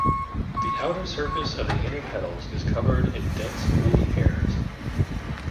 The outer surface of the inner petals is covered in dense woolly hairs.